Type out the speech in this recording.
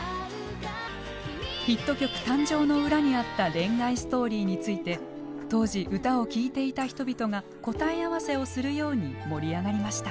ヒット曲誕生の裏にあった恋愛ストーリーについて当時歌を聴いていた人々が答え合わせをするように盛り上がりました。